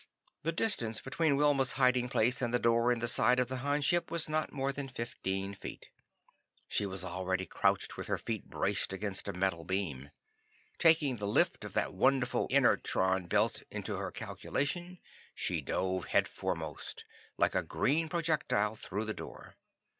The distance between Wilma's hiding place and the door in the side of the Han ship was not more than fifteen feet. She was already crouched with her feet braced against a metal beam. Taking the lift of that wonderful inertron belt into her calculation, she dove headforemost, like a green projectile, through the door.